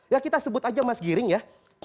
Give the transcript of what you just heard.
ya kita sebut aja mas giring ya